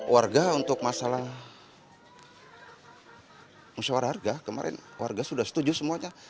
warga untuk masalah musyawarah harga kemarin warga sudah setuju semuanya